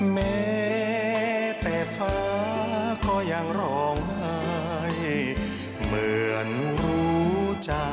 แม้แต่ฟ้าก็ยังร้องไห้เหมือนรู้ใจ